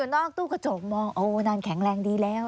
นอกตู้กระจกมองโอ้นานแข็งแรงดีแล้ว